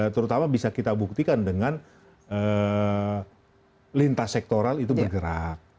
terutama bisa kita buktikan dengan lintas sektoral itu bergerak